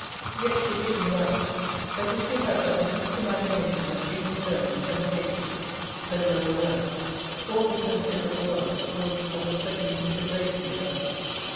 Yet she bid me write, 'That if she had but the least imagination that she can serve you, and save you,' those are her words, 'all the censures of the world will be but of second consideration with her.'